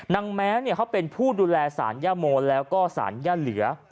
แม้เขาเป็นผู้ดูแลสารย่าโมแล้วก็สารย่าเหลือ